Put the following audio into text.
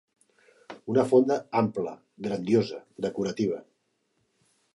Una fonda ampla, grandiosa, decorativa